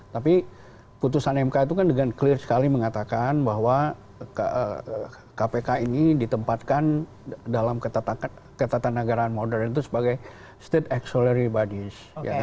tapi putusan mk itu kan dengan clear sekali mengatakan bahwa kpk ini ditempatkan dalam ketatanegaraan modern itu sebagai state acsolary bodys